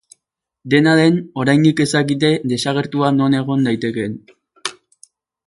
Dena den, oraindik ez dakite desagertua non egon daitekeen.